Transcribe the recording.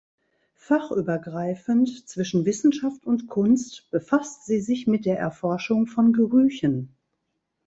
Fachübergreifend zwischen Wissenschaft und Kunst befasst sie sich mit der Erforschung von Gerüchen.